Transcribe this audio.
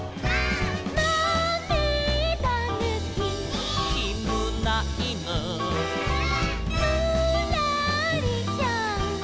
「まめだぬき」「」「きむないぬ」「」「ぬらりひょん」